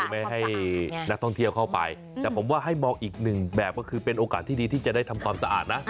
ไม่ให้นักท่องเที่ยวเข้าไปแต่ผมว่าให้มองอีกหนึ่งแบบก็คือเป็นโอกาสที่ดีที่จะได้ทำความสะอาดนะ